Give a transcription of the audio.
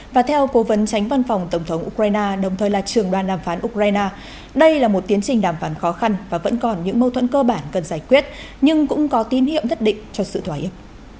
và theo cố vấn tránh văn phòng tổng thống ukraine đồng thời là trường đoàn đàm phán ukraine đây là một tiến trình đàm phán khó khăn và vẫn còn những mâu thuẫn cơ bản cần giải quyết nhưng cũng có tín hiệu nhất định cho sự thỏa hiệp